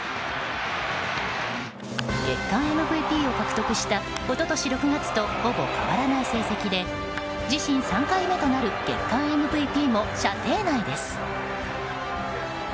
月間ＭＶＰを獲得した一昨年６月とほぼ変わらない成績で自身３回目となる月間ＭＶＰも射程内です。